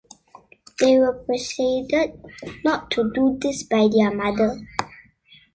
They were persuaded not to do this by their mother.